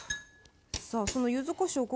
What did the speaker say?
さあその柚子こしょう